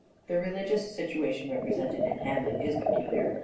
The religious situation represented in " Hamlet " Hamlet and is peculiar.